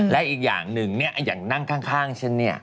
และอีกอย่างหนึ่งอย่างนั่งข้างฉันเนี่ย